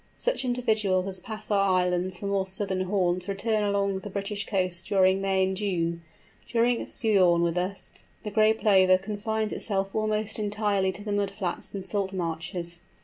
Such individuals as pass our islands for more southern haunts return along the British coasts during May and June. During its sojourn with us, the Gray Plover confines itself almost entirely to the mud flats and salt marshes.